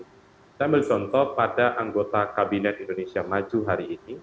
kita ambil contoh pada anggota kabinet indonesia maju hari ini